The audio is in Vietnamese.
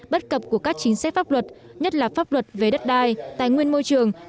bất cập của các chính sách pháp luật nhất là pháp luật về đất đai tài nguyên môi trường